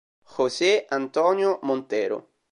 José Antonio Montero